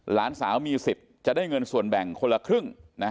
หลานสาวมี๑๐จะได้เงินส่วนแบ่งคนละครึ่งนะ